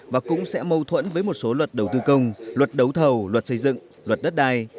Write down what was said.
và cũng sẽ mâu thuẫn với một số luật đầu tư công luật đấu thầu luật xây dựng luật đất đai